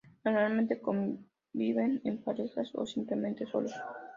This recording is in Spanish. Normalmente conviven en parejas o simplemente solos.